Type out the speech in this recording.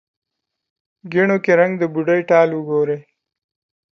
ګېڼو کې رنګ، د بوډۍ ټال وګورې